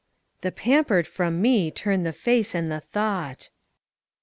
The pampered from me turn the face and the thought.